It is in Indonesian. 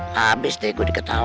habis deh gue diketahui